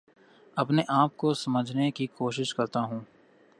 اپنے آپ کو سمجھنے کی کوشش کرتا ہوں